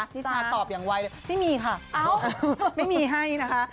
ที่ชาตอบอย่างไวเลยไม่มีค่ะไม่มีให้นะคะ